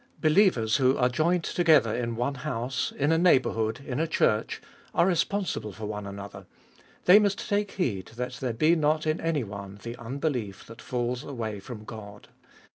Believers who are joined together in one house, in a neighbourhood, in a church, are responsible for one another ; they must take heed that there be not in anyone the unbelief that falls away from God.